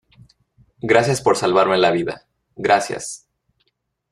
gracias por salvarme la vida, gracias.